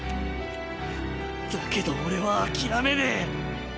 だけど俺は諦めねえ。